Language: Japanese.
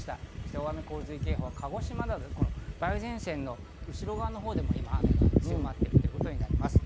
大雨洪水警報、梅雨前線の後ろ側でも雨が強まってくるということになります。